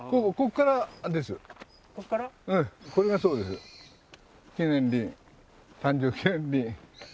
これがそうです記念林。